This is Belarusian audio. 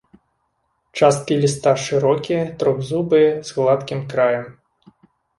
Часткі ліста шырокія, трохзубыя, з гладкім краем.